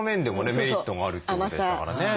メリットがあるってことでしたからね。